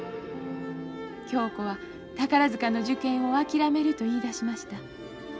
恭子は宝塚の受験を諦めると言いだしました。